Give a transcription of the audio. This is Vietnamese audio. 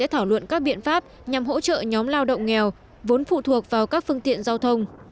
thảo luận các biện pháp nhằm hỗ trợ nhóm lao động nghèo vốn phụ thuộc vào các phương tiện giao thông